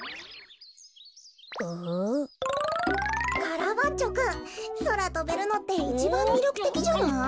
カラバッチョくんそらとべるのっていちばんみりょくてきじゃない？